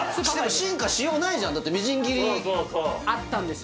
進化しようがないじゃんだってみじん切りあったんですよ